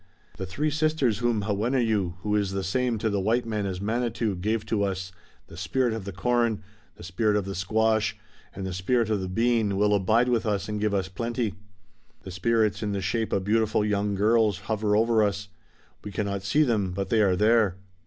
"The Three Sisters whom Hawenneu, who is the same to the white man as Manitou, gave to us, the spirit of the Corn, the spirit of the Squash and the spirit of the Bean will abide with us and give us plenty. The spirits in the shape of beautiful young girls hover over us. We cannot see them, but they are there."